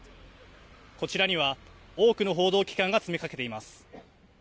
こちらには多くの報道機関が詰めかけています。